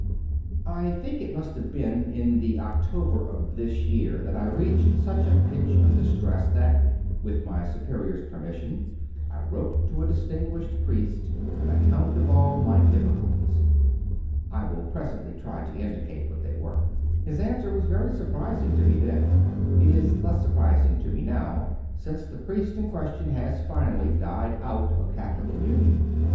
I think it must have been in the October of this year that I reached such a pitch of distress that, with my Superior s permission, I wrote to a distinguished priest an account of all my difficulties. (I will presently try to indicate what they were.) His answer was very surprising to me then. It is less surprising to me now, since the priest in ques tion has, finally, died out of Catholic communion.